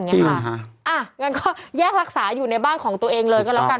งั้นก็แยกรักษาอยู่ในบ้านของตัวเองเลยก็แล้วกัน